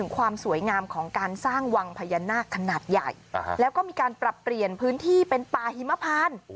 ความสวยงามของการสร้างวังพญานาคขนาดใหญ่แล้วก็มีการปรับเปลี่ยนพื้นที่เป็นป่าหิมพาน